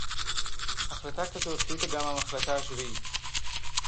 הַחְלָטָה כָּזוֹ הֶחֱלִיטָה גַּם הַמַּחְלָקָה הַשְּׁבִיעִית.